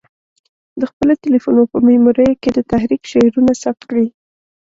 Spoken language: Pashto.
د خپلو تلیفونو په میموریو کې د تحریک شعرونه ثبت کړي.